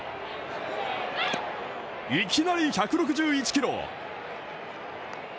いきなり１６１キロ。